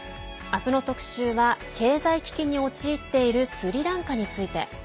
あすの特集は経済危機に陥っているスリランカについて。